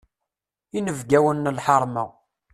Inebgawen n lḥeṛma.